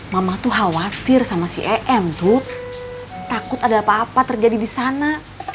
mama tuh khawatir sama si em tuh takut ada apa apa terjadi di sana